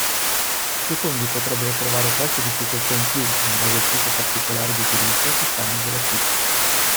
I secondi potrebbero trovare qualche difficoltà in più in base al tipo particolare di utilizzo che fanno della suite.